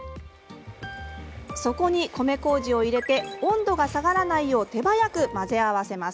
そこに米こうじを入れて温度が下がらないよう手早く混ぜ合わせます。